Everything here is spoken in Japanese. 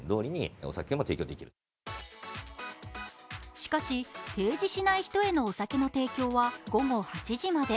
しかし、提示しない人へのお酒の提供は午後８時まで。